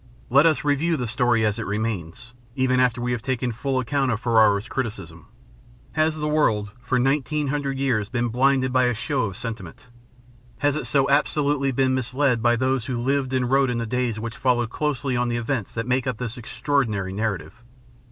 Let us review the story as it remains, even after we have taken full account of Ferrero's criticism. Has the world for nineteen hundred years been blinded by a show of sentiment? Has it so absolutely been misled by those who lived and wrote in the days which followed closely on the events that make up this extraordinary narrative?